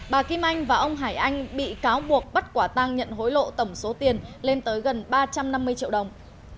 bà kim anh và ông hải anh bị cáo buộc bắt quả tang nhận hối lộ tổng số tiền lên tới gần ba trăm năm mươi triệu đồng